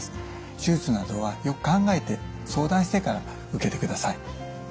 手術などはよく考えて相談してから受けてください。